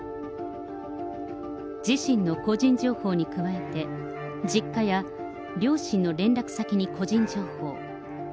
自身の個人情報に加えて、実家や両親の連絡先に個人情報。